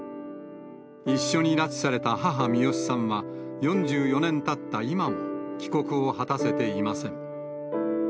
一緒に拉致された母、ミヨシさんは、４４年たった今も、帰国を果たせていません。